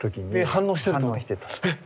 反応してた。